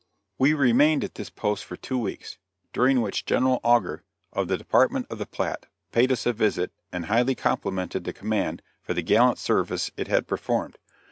We remained at this post for two weeks, during which General Augur, of the Department of the Platte, paid us a visit, and highly complimented the command for the gallant service it had performed.